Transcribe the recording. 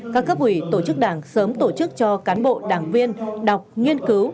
các cấp ủy tổ chức đảng sớm tổ chức cho cán bộ đảng viên đọc nghiên cứu